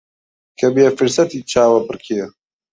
کە بێ فرسەتی چاوەبڕکێ